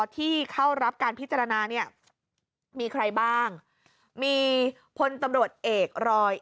ที่เข้ารับการพิจารณาเนี่ยมีใครบ้างมีพลตำรวจเอกรอย